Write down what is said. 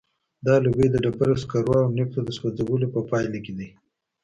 دا لوګی د ډبرو سکرو او نفتو د سوځولو په پایله کې دی.